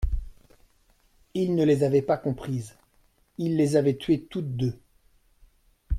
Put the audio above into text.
Il ne les avait pas comprises, il les avait tuées toutes deux.